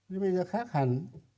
nhưng nó khác hẳn